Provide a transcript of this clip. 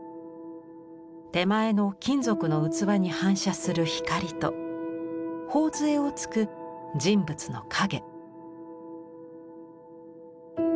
手前の金属の器に反射する光と頬づえをつく人物の影。